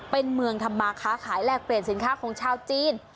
เป็นเมืองทำมาค้าขายแลกเปลี่ยนสินค้าของชาวจีน